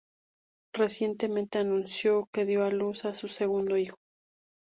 Recientemente anunció que dio a luz a su segundo hijo.